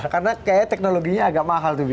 karena kayaknya teknologinya agak mahal tuh bi